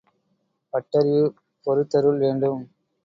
பட்டறிவு பொறுத்தருள் வேண்டும்.